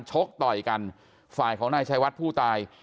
ชกต่อยกันฝ่ายของนายชายวัดผู้ตาย